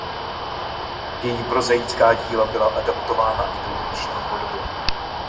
Její prozaická díla byla adaptována i do jevištní podoby.